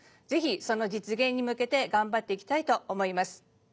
ぜひその実現に向けて頑張っていきたいと思います。